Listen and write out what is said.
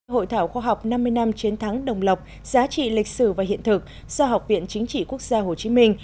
hội thảo khoa học năm mươi năm chiến thắng đồng lộc giá trị lịch sử và hiện thực do học viện chính trị quốc gia hồ chí minh